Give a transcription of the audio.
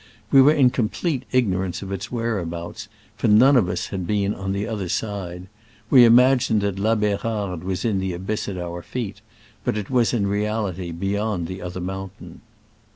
We were in complete ignorance of its whereabouts, for none of us had been on the other side : we imagined that La Berarde was in the abyss at our feet, but it was in reality beyond the other mountain.